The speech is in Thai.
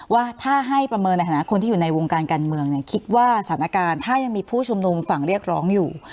ว่าถ้าให้ประเมินในฐานะคนที่อยู่ในวงการการเมืองคิดว่าสถานการณ์ถ้ายังมีผู้ชุมนุมฝั่งเรียกร้องอยู่